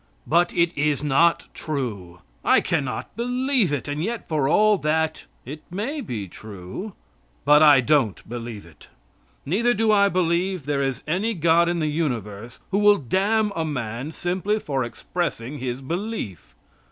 But it is not true. I cannot believe it, and yet for all that it may be true. But I don't believe it. Neither do I believe there is any God in the universe who will damn a man simply for expressing his belief.